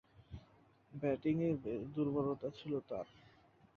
ব্যাটিংয়ে বেশ দূর্বলতা ছিল তার।